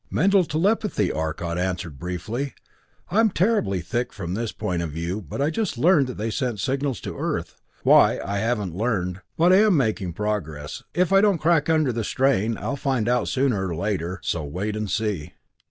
"Mental telepathy," Arcot answered briefly. "I'm terribly thick from his point of view, but I just learned that they sent signals to Earth why, I haven't learned but I'm making progress. If I don't crack under the strain, I'll find out sooner or later so wait and see."